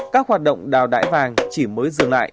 các hoạt động đào đải vàng chỉ mới dừng lại